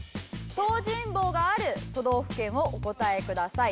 東尋坊がある都道府県をお答えください。